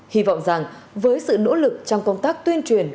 hy vọng rằng với sự nỗ lực trong công tác tuyên truyền